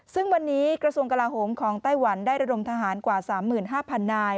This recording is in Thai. ซึ่งวันนี้กระทรวงกลาโหมของไต้หวันได้ระดมทหารกว่า๓๕๐๐นาย